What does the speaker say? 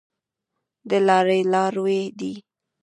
د لاري لاروی دی .